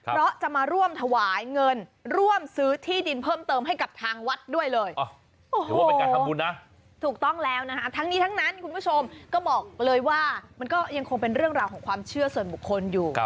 เพราะจะมาร่วมถวายเงินร่วมซื้อที่ดินเพิ่มเติมให้กับทางวัดด้วยเลย